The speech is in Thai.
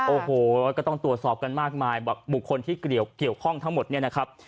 โอ้โหก็ต้องตรวจสอบกันมากมายบุคคลที่เกี่ยวข้องทั้งหมดเนี่ยนะครับ